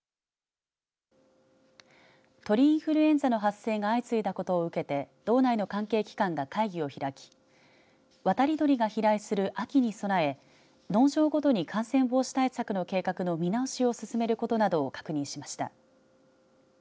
鳥インフルエンザの発生が相次いだことを受けて道内の関係機関が会議を開き渡り鳥が飛来する秋に備え農場ごとに感染防止対策の計画の見直しを進めることなどを確認しました。